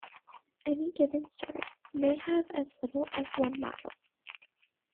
Any given series may have as little as one model.